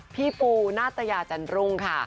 พี่ปูนาตยาจันรุ่งค่ะ